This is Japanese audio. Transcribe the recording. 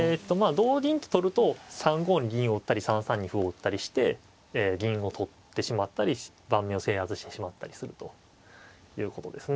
同銀と取ると３五に銀を打ったり３三に歩を打ったりして銀を取ってしまったり盤面を制圧してしまったりするということですね。